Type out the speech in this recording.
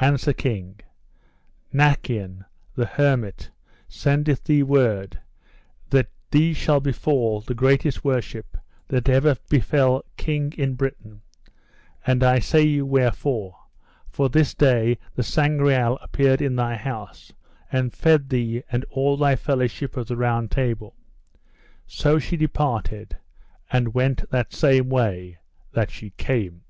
And, Sir king, Nacien, the hermit, sendeth thee word, that thee shall befall the greatest worship that ever befell king in Britain; and I say you wherefore, for this day the Sangreal appeared in thy house and fed thee and all thy fellowship of the Round Table. So she departed and went that same way that she came.